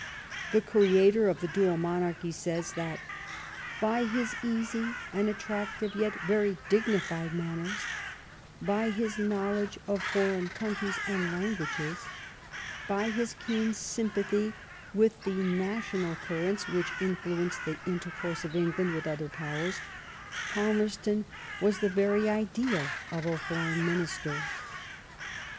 The creator of the Dual Monarchy says that by his easy and attractive, yet very dignified manners, by his knowledge of foreign countries and languages, by his keen sympathy with the national currents which influence the intercourse of England with other Powers, Palmerston was the very ideal of a Foreign Minister."